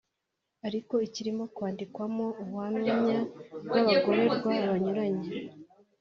ariko kirimo kwandikwamo ubuhamya bw’abagororwa banyuranye